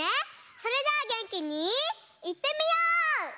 それじゃあげんきにいってみよう！